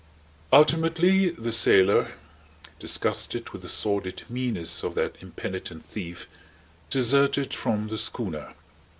Ultimately the sailor, disgusted with the sordid meanness of that impenitent thief, deserted from the schooner.